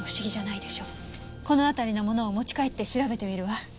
このあたりのものを持ち帰って調べてみるわ。